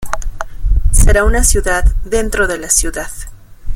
Será una ciudad dentro de la ciudad.